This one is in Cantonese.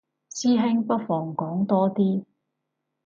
師兄不妨講多啲